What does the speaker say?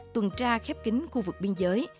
tuần tra khép kín khu vực biên giới